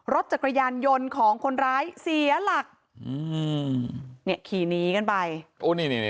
รถจักรยานยนต์ของคนร้ายเสียหลักอืมเนี่ยขี่หนีกันไปโอ้นี่นี่